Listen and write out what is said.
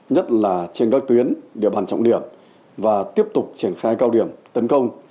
nhất là trên các tuyến địa bàn trọng điểm và tiếp tục triển khai cao điểm tấn công